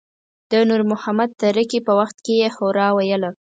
د نور محمد تره کي په وخت کې يې هورا ویله.